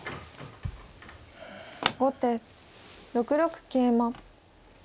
後手６六桂馬。